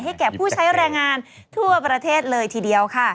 แก่ผู้ใช้แรงงานทั่วประเทศเลยทีเดียวค่ะ